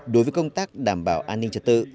đối với công tác đảm bảo an ninh trật tự